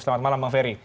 selamat malam bang ferry